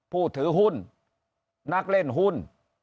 ผู้ถือหุ้นนักเล่นหุ้น